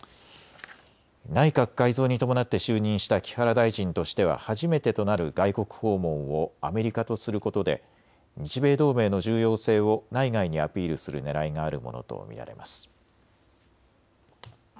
内閣改造に伴って就任した木原大臣としては初めてとなる外国訪問をアメリカとすることで日米同盟の重要性を内外にアピールするねらいがあるものと見られます。